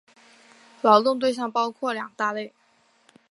劳动对象包括两大类。